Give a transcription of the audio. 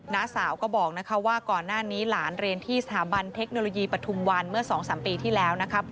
น้าสาวก็บอกว่าก่อนหน้านี้หลานเรียนที่สถาบันเทคโนโลยีปฐุมวันเมื่อ๒๓ปีที่แล้วนะครับ